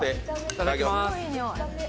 いただきます。